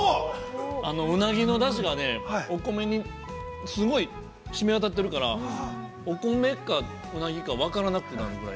うなぎのだしがね、お米にすごいしみ渡っているからお米か、うなぎか分からなくなるぐらい。